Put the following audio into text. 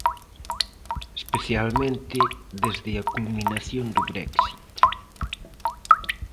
Especialmente desde a culminación do Brexit.